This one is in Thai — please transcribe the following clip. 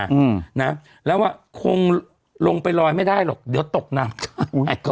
อืมนะแล้วอ่ะคงลงไปลอยไม่ได้หรอกเดี๋ยวตกหนักแต่ก็